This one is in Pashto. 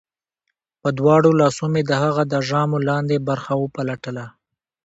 په دواړو لاسو مې د هغه د ژامو لاندې برخه وپلټله